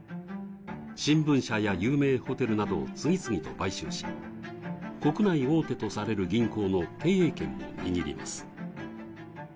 新聞社や有名ホテルなどを次々と買収し、国内大手とされる銀行の経営権も握ります。